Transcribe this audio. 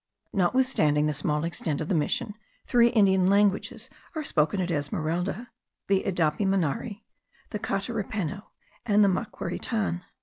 Notwithstanding the small extent of the mission, three Indian languages are spoken at Esmeralda; the Idapimanare, the Catarapenno, and the Maquiritan.